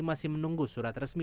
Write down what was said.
masih menunggu surat resmi